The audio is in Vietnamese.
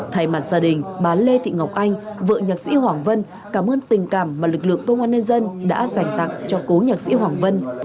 thay mặt gia đình bà lê thị ngọc anh vợ nhạc sĩ hoàng vân cảm ơn tình cảm mà lực lượng công an nhân dân đã dành tặng cho cố nhạc sĩ hoàng vân